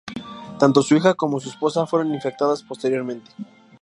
Tanto su hija como su esposa fueron infectadas posteriormente.